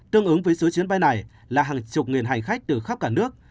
tương ứng với số chuyến bay này là hàng chục nghìn hành khách từ khắp cả nước